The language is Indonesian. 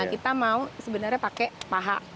kita mau sebenarnya pakai paha